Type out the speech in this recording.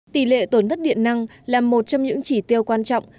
tỷ lệ tổn thất điện năng là một trong những chỉ tiêu quan trọng